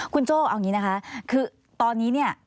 คุณโจ้เอาอย่างนี้นะคะคือตอนนี้เนี่ย